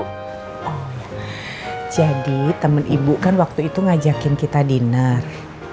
oh jadi teman ibu kan waktu itu ngajakin kita dinner